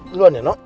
keluaran ya no